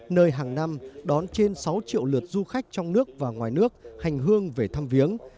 nơi hàng năm đón trên sáu triệu lượt du khách trong nước và ngoài nước hành hương về thăm viếng